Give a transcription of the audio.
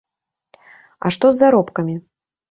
А што з заробкамі?